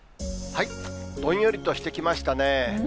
どんよりとしてきましたね。